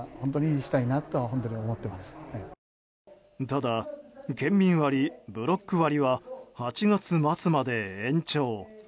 ただ県民割、ブロック割は８月末まで延長。